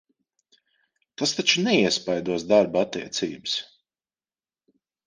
Tas taču neiespaidos darba attiecības?